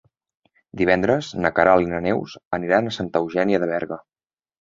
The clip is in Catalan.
Divendres na Queralt i na Neus aniran a Santa Eugènia de Berga.